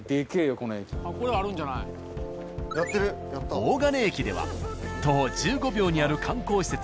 大金駅では徒歩１５秒にある観光施設